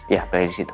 ya play di situ